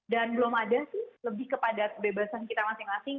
dan belum ada sih lebih kepada bebasan kita masing masing